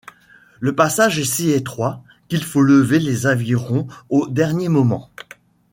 Le passage est si étroit, qu'il faut lever les avirons au dernier moment.